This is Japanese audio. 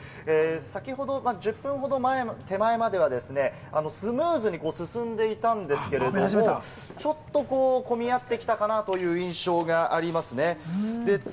先ほど１０分ほど手前まではですね、スムーズに進んでいたんですけれども、ちょっと混み合ってきたかなという印象がありますね。